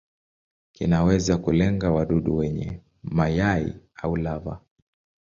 Kinaweza kulenga wadudu wenyewe, mayai au lava.